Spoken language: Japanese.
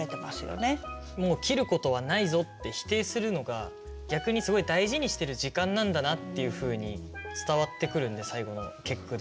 「もう切ることはないぞ」って否定するのが逆にすごい大事にしてる時間なんだなっていうふうに伝わってくるんで最後の結句で。